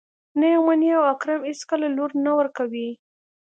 نه يې مني او اکرم اېڅکله لور نه ورکوي.